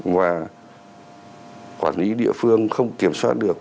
và quản lý địa phương không kiểm soát được